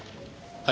はい。